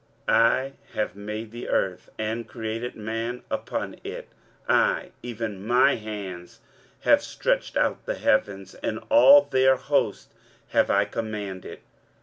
23:045:012 I have made the earth, and created man upon it: I, even my hands, have stretched out the heavens, and all their host have I commanded.